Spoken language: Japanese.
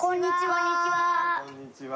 こんにちは。